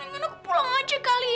mungkin aku pulang aja kali ya